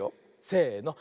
せの。